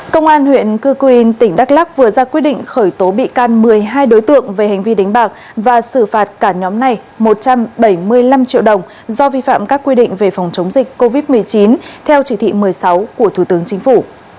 công an huyện cư quyên tỉnh đắk lắc vừa ra quyết định khởi tố bị can một mươi hai đối tượng về hành vi đánh bạc và xử phạt cả nhóm này một trăm bảy mươi năm triệu đồng do vi phạm các quy định về phòng chống dịch covid một mươi chín theo chỉ thị một mươi sáu của thủ tướng chính phủ